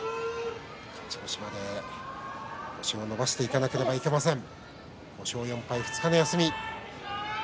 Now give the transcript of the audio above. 勝ち越しまで、星を伸ばしていかなければなりません。